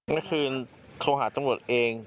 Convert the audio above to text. เมื่อคืนโทรหาตำรวจเอง